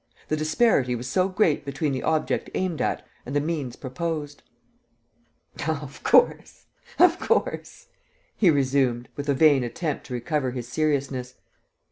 The disparity was so great between the object aimed at and the means proposed! "Of course, of course!" he resumed, with a vain attempt to recover his seriousness.